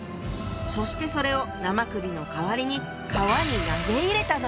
そしてそれを生首の代わりに川に投げ入れたのよ！